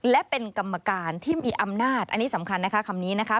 และเป็นกรรมการที่มีอำนาจอันนี้สำคัญนะคะคำนี้นะคะ